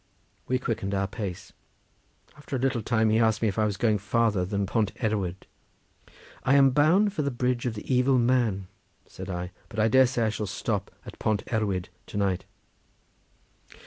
We quickened our pace. After a little time he asked me if I was going farther than Pont Erwyd. "I am bound for the bridge of the evil man," said I; "but I dare say I shall stop at Pont Erwyd tonight."